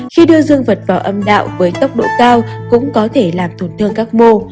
khi đưa dương vật vào âm đạo với tốc độ cao cũng có thể làm tổn thương các mô